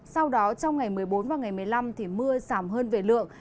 sau đó trong ngày một mươi bốn và ngày một mươi năm mưa sẽ giảm hơn về lượng